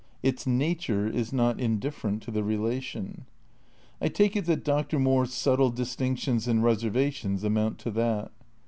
Its "nature" is not indifferent to the relation. I take it that Dr. Moore's subtle distinctions and reservations amount to that.